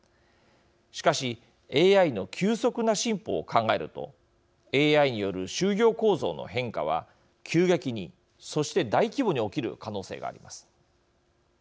しかしＡＩの急速な進歩を考えるとＡＩによる就業構造の変化は急激にそして大規模に起きる可能性があります。